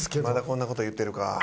まだこんな事言ってるか。